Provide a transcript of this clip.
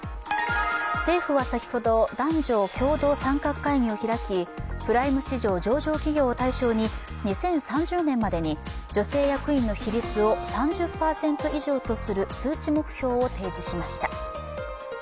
政府は先ほど男女共同参画会議を開きプライム市場上場企業を対象に２０３０年までに女性役員の比率を３０％以上とする数値目標を提示しました。